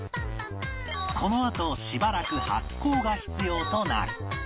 このあとしばらく発酵が必要となる